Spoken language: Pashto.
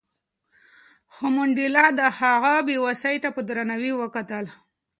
خو منډېلا د هغه بې وسۍ ته په درناوي وکتل.